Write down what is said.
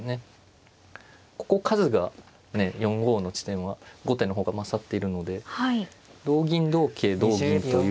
ここ数が４五の地点は後手の方が勝っているので同銀同桂同銀という。